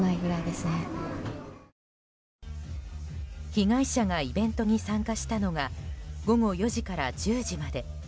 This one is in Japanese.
被害者がイベントに参加したのが午後４時から１０時まで。